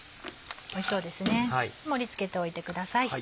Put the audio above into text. おいしそうですね盛り付けておいてください。